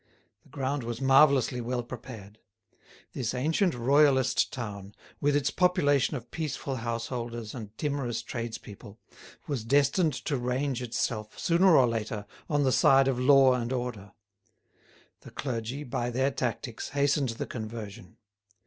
The ground was marvellously well prepared. This ancient royalist town, with its population of peaceful householders and timorous tradespeople, was destined to range itself, sooner or later, on the side of law and order. The clergy, by their tactics, hastened the conversion.